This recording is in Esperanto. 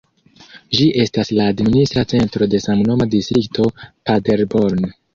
Ĝi estas la administra centro de samnoma distrikto Paderborn.